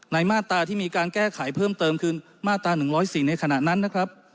ในมาตราที่มีการแก้ไขเพิ่มเติมคืนมาตราหนึ่งร้อยสี่ในขณะนั้นนะครับ